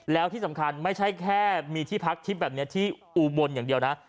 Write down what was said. แล้วที่สำคัญไม่ใช่แค่มีที่พักทิพย์แบบนี้ที่อุบลอย่างเดียวนะ